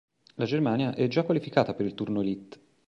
La Germania è già qualificata per il Turno Elite.